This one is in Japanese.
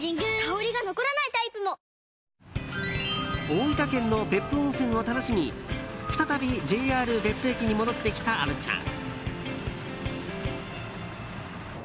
大分県の別府温泉を楽しみ再びＪＲ別府駅に戻ってきた虻ちゃん。